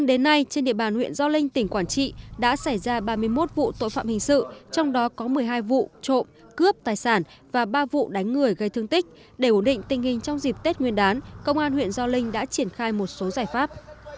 đến nay trên địa bàn huyện gio linh tỉnh quảng trị đã xảy ra ba mươi một vụ tội phạm hình sự trong đó có một mươi hai vụ trộm cướp tài sản và ba vụ đánh người gây thương tích để ổn định tình hình trong dịp tết nguyên đán công an huyện gio linh đã triển khai một số giải pháp